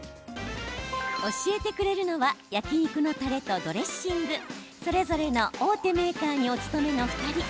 教えてくれるのは焼き肉のたれとドレッシングそれぞれの大手メーカーにお勤めの２人。